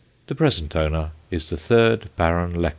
The present owner is the third Baron Leconfield.